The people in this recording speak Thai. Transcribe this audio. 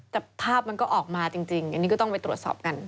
แต่ภาพมันก็ออกมาจริงอันนี้ก็ต้องไปตรวจสอบกัน